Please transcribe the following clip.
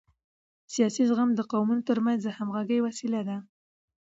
سیاسي زغم د قومونو ترمنځ د همغږۍ وسیله ده